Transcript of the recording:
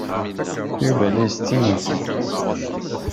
Yuba la ittett imensi.